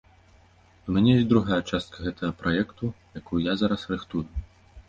У мяне ёсць другая частка гэтага праекту, якую я зараз рыхтую.